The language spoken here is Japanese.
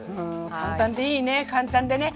簡単でいいね簡単でね。